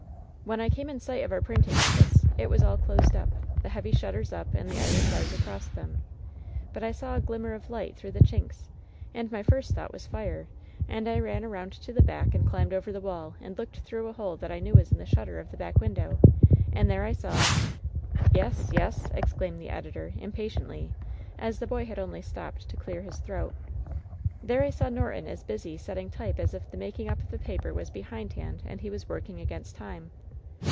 ^^When I came in sight of our printing oflSce it was all closed up, the heavy shutters up and the iron bars across them ; but I saw a glimmer of light through the chinks, and my first thought was fire, and I ran around to the back and climbed over the wall and looked through a hole that I knew was in the shutter of the back win dow, and there I saw ^" "Yes I yes!" exclaimed the editor, impatiently, as the boy had only stopped to clear his throat. "There I saw Norton as busy setting type as if the making up of the paper was behindhand and he was working against time."